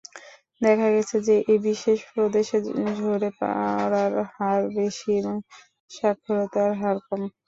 দেখা গেছে যে এই বিশেষ প্রদেশে ঝরে পড়ার হার বেশি এবং সাক্ষরতার হার কম।